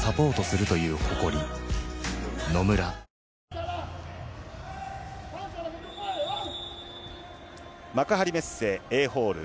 行くで‼幕張メッセＡホール。